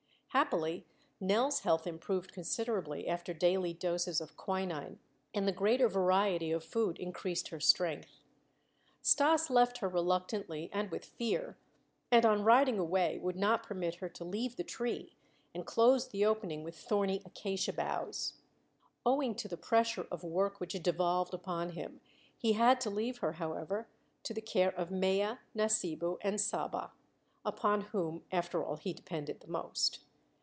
Happily Nell's health improved considerably after daily doses of quinine, and the greater variety of food increased her strength. Stas left her reluctantly and with fear, and on riding away would not permit her to leave the tree and closed the opening with thorny acacia boughs. Owing to the pressure of work which devolved upon him, he had to leave her, however, to the care of Mea, Nasibu, and Saba, upon whom after all he depended the most.